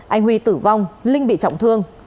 anh huy tử vong linh bị trọng thương